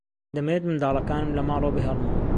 دەمەوێت منداڵەکانم لە ماڵەوە بهێڵمەوە.